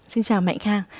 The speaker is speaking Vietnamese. xin chào mạnh khang